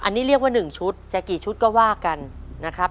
อันนี้เรียกว่า๑ชุดจะกี่ชุดก็ว่ากันนะครับ